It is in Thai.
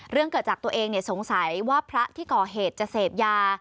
เรื่องเกิดจากตัวเองสงสัยว่าพระที่ก่อเหตุจะเสพยา